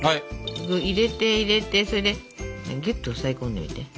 入れて入れてそれでぎゅっと押さえ込んでみて。